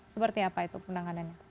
seperti apa itu penanganannya